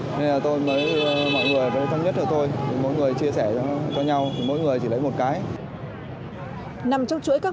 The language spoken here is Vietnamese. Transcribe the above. nên là tôi mới mọi người mới thân nhất với tôi